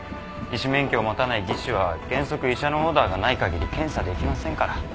医師免許を持たない技師は原則医者のオーダーがないかぎり検査できませんから。